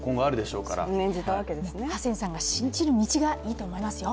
ハセンさんが信じる道がいいと思いますよ。